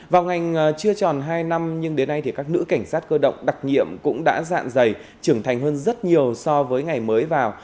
vào ngày chưa tròn hai năm nhưng đến nay các nữ cảnh sát cơ động đặc nhiệm cũng đã dạn dày trưởng thành hơn rất nhiều so với ngày mới vào